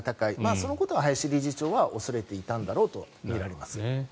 そのことを林理事長は恐れていたんだろうとみられます。